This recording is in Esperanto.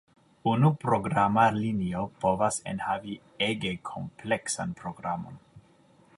Unu programa linio povas enhavi ege kompleksan programon.